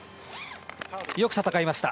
よく戦いました。